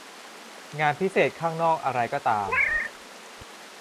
งานพิเศษข้างนอกอะไรก็ตาม